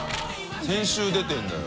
先週出てるんだよ